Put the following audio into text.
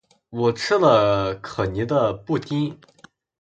我吃了可妮的布丁